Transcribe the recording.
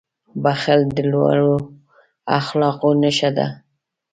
• بښل د لوړو اخلاقو نښه ده.